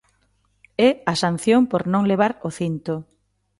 É a sanción por non levar o cinto.